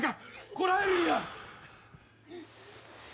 こらえるんや。